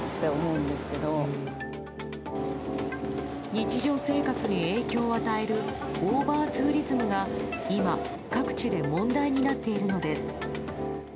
日常生活に影響を与えるオーバーツーリズムが今、各地で問題になっているのです。